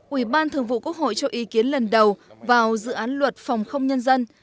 ubthqh cho ý kiến lần đầu vào dự án luật phòng không nhân dân